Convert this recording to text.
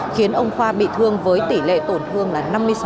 khiến ông khoa bị thương với tỷ lệ tổn thương là năm mươi sáu